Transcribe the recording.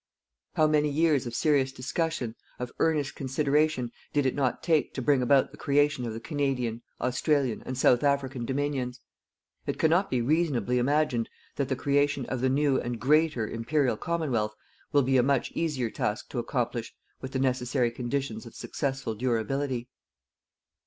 How many years of serious discussion, of earnest consideration, did it not take to bring about the creation of the Canadian, Australian and South African Dominions. It cannot be reasonably imagined that the creation of the new and greater Imperial Commonwealth will be a much easier task to accomplish with the necessary conditions of successful durability.